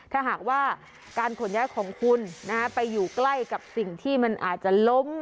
ถ้าหากว่าการขนย้ายของคุณไปอยู่ใกล้กับสิ่งที่มันอาจจะล้ม